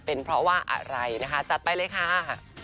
เป็นเพราะว่าอะไรนะคะจัดไปเลยค่ะ